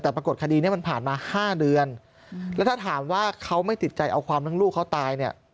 แต่ปรากฏคดีนี้มันผ่านมา๕เดือนแล้วถ้าถามว่าเขาไม่ติดใจเอาความทั้งลูกเขาตายเนี่ย